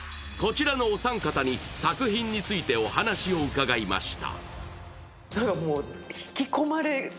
こちらのお三方に作品についてお話を伺いました。